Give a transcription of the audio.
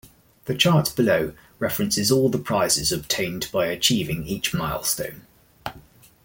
The chart below references all the prizes obtained by achieving each milestone.